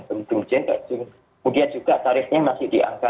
kemudian juga tarifnya masih di angka